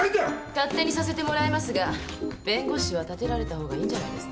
勝手にさせてもらいますが弁護士は立てられたほうがいいんじゃないですか？